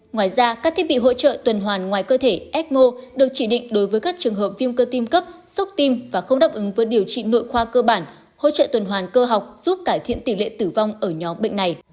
ngoài ra các thiết bị hỗ trợ tuần hoàn ngoài cơ thể ecmo được chỉ định đối với các trường hợp viêm cơ tim cấp sốc tim và không đáp ứng với điều trị nội khoa cơ bản hỗ trợ tuần hoàn cơ học giúp cải thiện tỷ lệ tử vong ở nhóm bệnh này